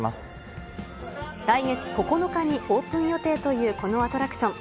来月９日にオープン予定というこのアトラクション。